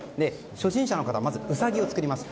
初心者の方はまずウサギを作ります。